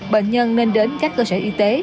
bệnh nhân nên đến các cơ sở y tế